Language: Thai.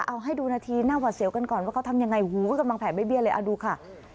เอาให้ดูนาทีหน้าหวัดเสียวกันก่อนว่าเขาทำยังไงหูก็กำลังแผลไม่เบี้ยเลยเอาดูค่ะ